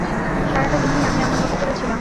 সারাটা দিনই আমি আমার মত করে ছিলাম।